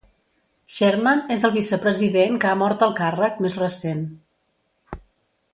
Sherman és el vicepresident que ha mort al càrrec més recent.